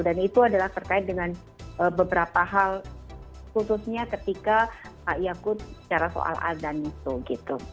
dan itu adalah terkait dengan beberapa hal khususnya ketika pak yakut secara soal adan gitu